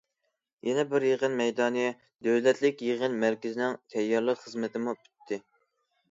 يەنە بىر يىغىن مەيدانى، دۆلەتلىك يىغىن مەركىزىنىڭ تەييارلىق خىزمىتىمۇ پۈتتى.